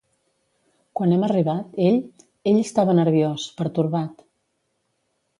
Quan hem arribat, ell, ell estava nerviós, pertorbat.